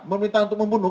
memerintah untuk membunuh